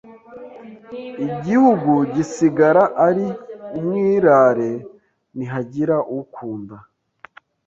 igihugu gisigara ari umwirare ntihagira ukunda